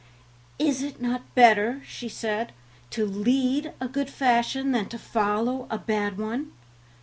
"Is it not better," she said, "to lead a good fashion than to follow a bad one?